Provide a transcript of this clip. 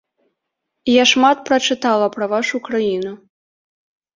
Я шмат прачытала пра вашу краіну.